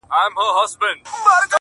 مقرر سوه دواړه سم یوه شعبه کي,